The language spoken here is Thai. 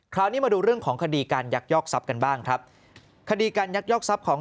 คราวนี้มาดูเรื่องของขณกฎิการยักษ์ยอกทรัศน์กันบ้างครับ